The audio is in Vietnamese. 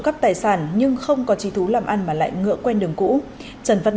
các quỹ tiến dụng nhân dân phường hai nói riêng